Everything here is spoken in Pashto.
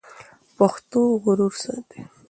پښتو غرور ساتي.